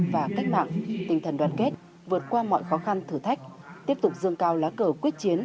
và cách mạng tinh thần đoàn kết vượt qua mọi khó khăn thử thách tiếp tục dương cao lá cờ quyết chiến